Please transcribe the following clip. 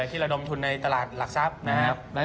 ที่ระดมทุนในตลาดหลักทรัพย์นะครับ